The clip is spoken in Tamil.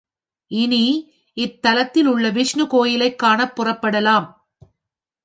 இனி, இத்தலத்தில் உள்ள விஷ்ணு கோயிலைக் காணப் புறப்படலாம்.